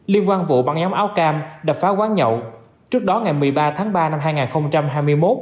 liên quan vụ băng nhóm áo cam đập phá quán nhậu trước đó ngày một mươi ba tháng ba năm hai nghìn hai mươi một